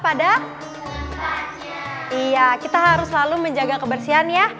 padahal iya kita harus selalu menjaga kebersihan ya